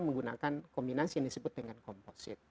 menggunakan kombinasi yang disebut dengan komposit